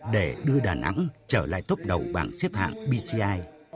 để đưa đà nẵng trở lại tốt đầu bảng xếp hạng bci